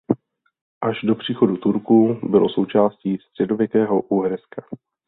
Až do příchodu Turků bylo součástí středověkého Uherska.